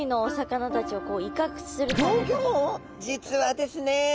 実はですね